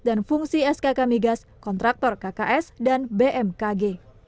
dan fungsi skk migas kontraktor kks dan bmkg